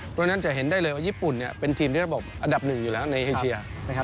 เพราะฉะนั้นจะเห็นได้เลยว่าญี่ปุ่นเป็นทีมระดับ๑อยู่แล้วในไทเชียร์